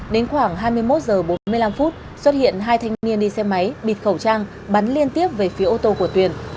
đến khoảng hai mươi một h bốn mươi năm xuất hiện hai thanh niên đi xe máy bịt khẩu trang bắn liên tiếp về phía ô tô của tuyền